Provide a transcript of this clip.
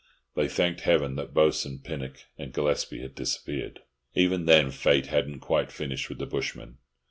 They thanked heaven that the Bo'sun, Pinnock, and Gillespie had disappeared. Even then Fate hadn't quite finished with the bushman.